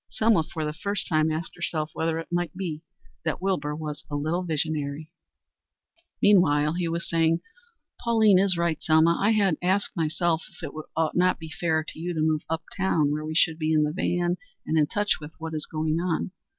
Selma for the first time asked herself whether it might be that Wilbur was a little visionary. Meanwhile he was saying: "Pauline is right, Selma. I had already asked myself if it would not be fairer to you to move uptown where we should be in the van and in touch with what is going on.